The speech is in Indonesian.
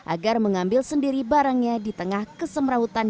agar mengambil sendiri barangnya di tengah kesemrautan